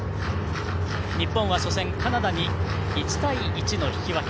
日本は初戦、カナダに１対１の引き分け。